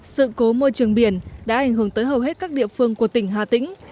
sự cố môi trường biển đã ảnh hưởng tới hầu hết các địa phương của tỉnh hà tĩnh